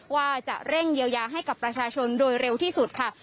ว่าจะเร่งเยียวยาให้กับประชาชนโดยเร็วที่สุดค่ะ